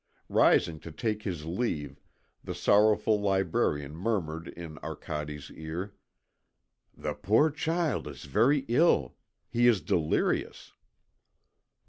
Rising to take his leave, the sorrowful librarian murmured in Arcade's ear: "The poor child is very ill. He is delirious."